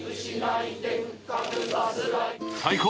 最高！